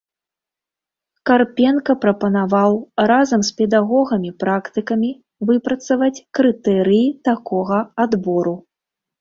Карпенка прапанаваў разам з педагогамі-практыкамі выпрацаваць крытэрыі такога адбору.